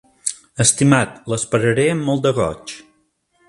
Estimat, l'esperaré amb molt de goig.